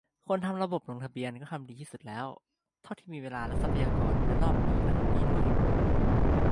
คนทำระบบลงทะเบียนก็ทำดีสุดแล้วเท่าที่มีเวลาและทรัพยากร และรอบนี้ก็ทำดีด้วย